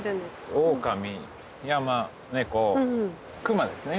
オオカミ山猫熊ですね。